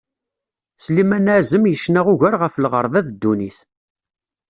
Sliman Ɛazem yecna ugar ɣef lɣerba d ddunnit.